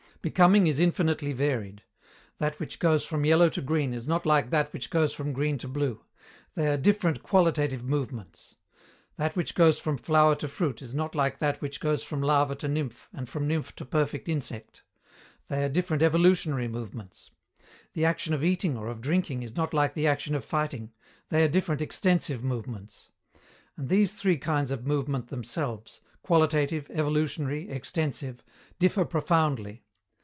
Becoming is infinitely varied. That which goes from yellow to green is not like that which goes from green to blue: they are different qualitative movements. That which goes from flower to fruit is not like that which goes from larva to nymph and from nymph to perfect insect: they are different evolutionary movements. The action of eating or of drinking is not like the action of fighting: they are different extensive movements. And these three kinds of movement themselves qualitative, evolutionary, extensive differ profoundly.